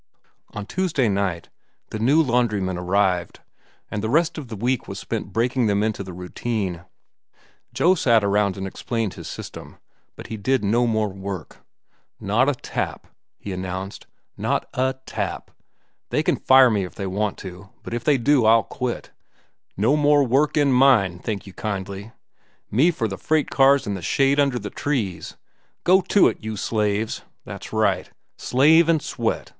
On Tuesday night the new laundrymen arrived, and the rest of the week was spent breaking them into the routine. Joe sat around and explained his system, but he did no more work. "Not a tap," he announced. "Not a tap. They can fire me if they want to, but if they do, I'll quit. No more work in mine, thank you kindly. Me for the freight cars an' the shade under the trees. Go to it, you slaves! That's right. Slave an' sweat!